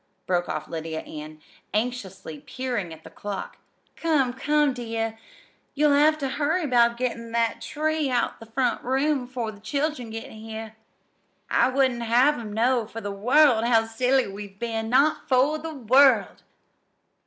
broke off Lydia Ann, anxiously peering at the clock. "Come, come, dear, you'll have ter hurry 'bout gettin' that tree out of the front room 'fore the children get here. I wouldn't have 'em know for the world how silly we've been not for the world!"